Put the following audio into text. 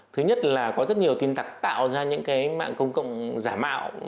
thứ nhất là có rất nhiều tin tặc tạo ra những cái mạng công cộng giả mạo